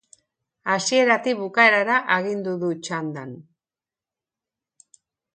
Hasieratik bukaerara agindu du txandan.